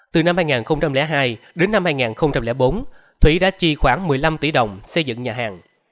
từ năm hai nghìn hai đến năm hai nghìn bốn thủy đã chi khoảng một mươi năm tỷ đồng xây dựng nhà hàng